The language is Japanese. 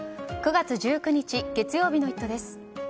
９月１９日、月曜日の「イット！」です。